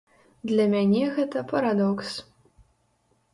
Для мяне гэта парадокс.